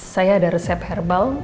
saya ada resep herbal